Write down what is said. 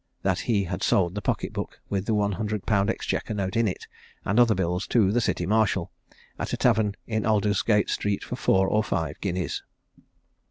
that he had sold the pocket book, with the 100_l._ exchequer note in it, and other bills, to the city marshal, at a tavern in Aldersgate street, for four or five guineas."